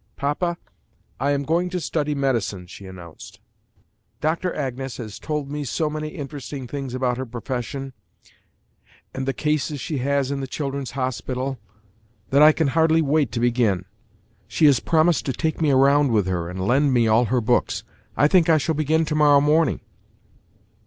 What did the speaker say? "Papa, I am going to study medicine," she announced. "Doctor Agnes has told me so many interesting things about her profession, and the cases she has in the children's hospital, that I can hardly wait to begin. She has promised to take me round with her and lend me all her books. I think I shall begin to morrow morning."